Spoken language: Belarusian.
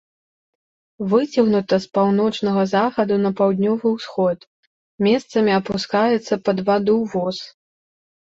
Выцягнута з паўночнага захаду на паўднёвы ўсход, месцамі апускаецца пад ваду воз.